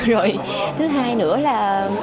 rồi thứ hai nữa là